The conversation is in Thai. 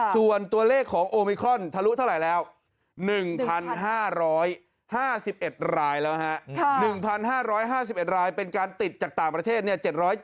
ส่วนตัวเลขของโอมิครอนทะลุเท่าไหร่แล้ว๑๕๕๑รายแล้วฮะ๑๕๕๑รายเป็นการติดจากต่างประเทศ